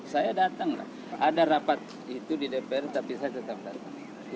saya datang lah ada rapat itu di dpr tapi saya tetap datang